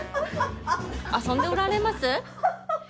遊んでおられます？